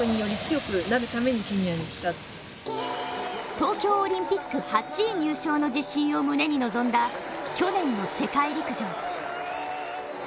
東京オリンピック８位入賞の自信を胸に臨んだ去年の世界陸上。